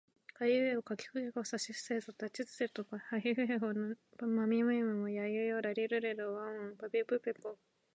あいうえおかきくけこさしすせそたちつてとなにぬねのはひふへほまみむめもやゆよらりるれろわおんぱぴぷぺぽばびぶべぼ